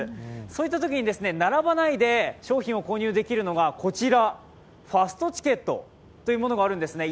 そういったときに並ばないで商品を購入できるのがこちらファストチケットというものがあるんですね。